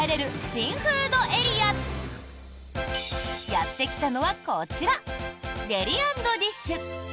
やってきたのは、こちらデリ＆ディッシュ。